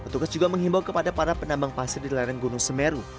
petugas juga menghimbau kepada para penambang pasir di lereng gunung semeru